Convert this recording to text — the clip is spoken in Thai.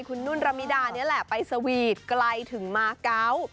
คุณนุ่นระมิดานี่แหละไปสวีทไกลถึงมาเกาะ